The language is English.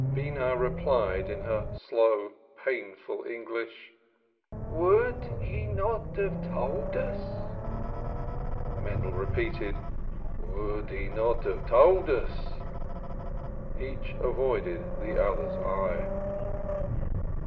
Beenah replied in her slow painful English. "Would he not have told us?" Mendel repeated: "Would he not have told us?" Each avoided the others eye.